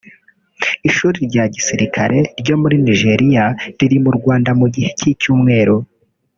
Ishuri rya Gisirikare ryo muri Nigeria riri mu Rwanda mu gihe cy’icyumweru